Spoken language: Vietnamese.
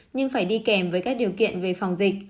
nhưng phải đi kèm với các điều kiện về phòng dịch